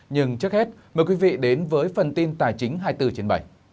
nhưng trước hết mời quý vị đến với phần tin tài chính hai mươi bốn trên bảy